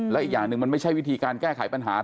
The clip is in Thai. และอีกอย่างหนึ่งมันไม่ใช่วิธีการแก้ไขปัญหา